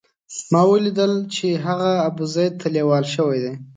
ما ولیدل چې هغه ابوزید ته لېوال شوی دی.